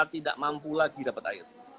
tidak mampu lagi dapat air